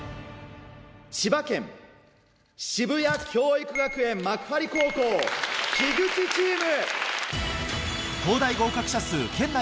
千葉県渋谷教育学園幕張高校口チーム！